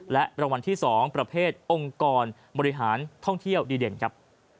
และรางวัลที่๒ประเภทองค์กรบริหารท่องเที่ยวดีเด่นครับ